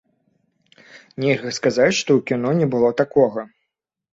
Нельга сказаць, што ў кіно не было такога.